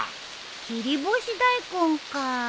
切り干し大根か。